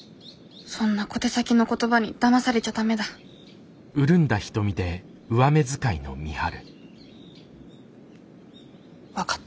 そんな小手先の言葉にだまされちゃダメだ分かった。